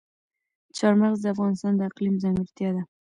چار مغز د افغانستان د اقلیم ځانګړتیا ده.